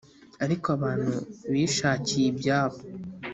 ariko abantu bishakiye ibyabo